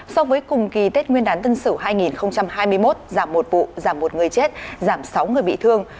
so với cùng kỳ tết nguyên đán tân sửu hai nghìn hai mươi một giảm một vụ giảm một người chết giảm sáu người bị thương